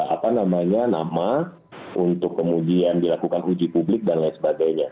apa namanya nama untuk kemudian dilakukan uji publik dan lain sebagainya